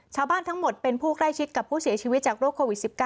ทั้งหมดเป็นผู้ใกล้ชิดกับผู้เสียชีวิตจากโรคโควิด๑๙